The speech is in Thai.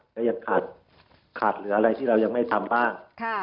ก็ยังขาดเหลืออะไรที่เรายังไม่ทำบ้าง